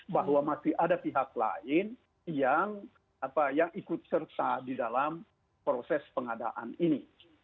bahwa masih ada pihak lain yang ikut serta di dalam proses pengadaan ini